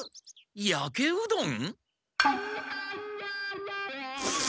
やけうどん？